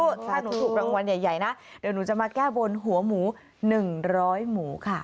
ถ้าหนูถูกรางวัลใหญ่นะเดี๋ยวหนูจะมาแก้บนหัวหมู๑๐๐หมูค่ะ